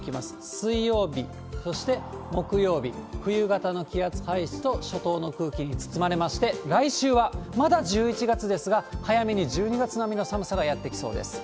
水曜日、そして木曜日、冬型の気圧配置と初冬の空気に包まれまして、来週はまだ１１月ですが、早めに１２月並みの寒さがやって来そうです。